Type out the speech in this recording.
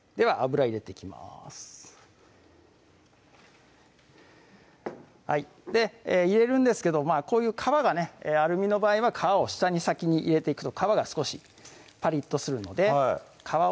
はいで入れるんですけどこういう皮がねある身の場合は皮を下に先に入れていくと皮が少しパリッとするのでは